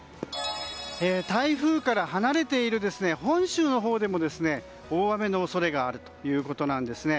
台風から離れている本州のほうでも大雨の恐れがあるということなんですね。